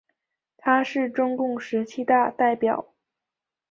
他是中共十七大代表。